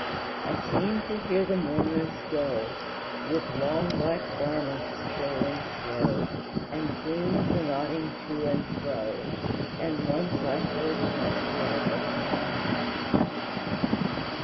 I seem to hear the mourners go, With long black garments trailing slow, And plumes anodding to and fro, As once I heard them, Rosaline!